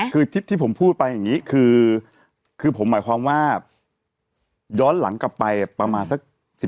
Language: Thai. คือทริปที่ผมพูดไปอย่างนี้คือผมหมายความว่าย้อนหลังกลับไปประมาณสัก๑๐